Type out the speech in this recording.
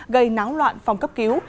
gây náo loạn phòng cấp cứu